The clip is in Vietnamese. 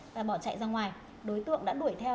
và bỏ chạy ra ngoài đối tượng đã đuổi theo